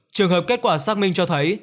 trường hợp kết quả xác minh cho thấy